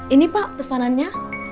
ini pak pesanannya